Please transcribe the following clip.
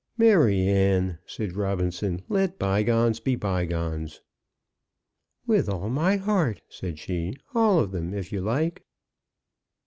"Maryanne," said Robinson, "let bygones be bygones." "With all my heart," said she. "All of them, if you like."